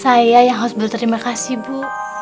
saya yang harus berterima kasih bu